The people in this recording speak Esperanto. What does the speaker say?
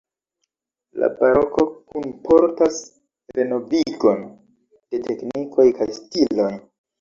La baroko kunportas renovigon de teknikoj kaj stiloj.